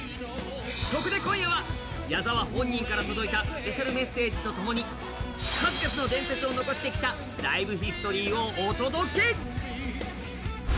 そこで今夜は矢沢本人から届いたスペシャルメッセージとともに数々の伝説を残してきたライブヒストリーをお届け。